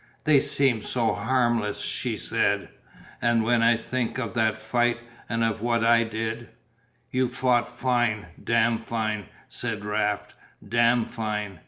"They seem so harmless," she said, "and when I think of that fight and of what I did " "You fought fine damned fine," said Raft, "damned fine."